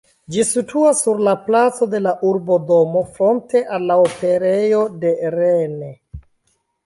Ĝi situas sur la placo de la urbodomo fronte al la operejo de Rennes.